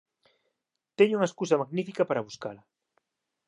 Teño unha escusa magnífica para buscala.